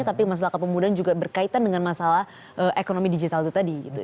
tapi masalah kepemudaan juga berkaitan dengan masalah ekonomi digital itu tadi